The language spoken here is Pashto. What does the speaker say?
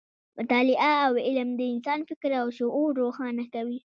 مطالعه او علم د انسان فکر او شعور روښانه کوي.